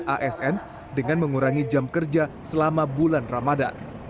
asn dengan mengurangi jam kerja selama bulan ramadan